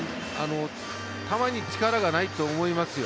球に力がないと思いますよ。